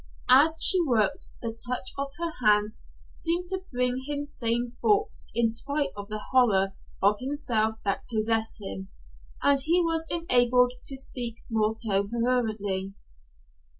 As she worked the touch of her hands seemed to bring him sane thoughts in spite of the horror of himself that possessed him, and he was enabled to speak more coherently.